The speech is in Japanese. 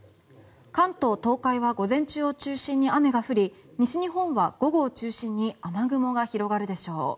関東・東海は午前中を中心に雨が降り西日本は午後を中心に雨雲が広がるでしょう。